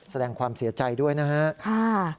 แสดงความเสียใจด้วยนะครับ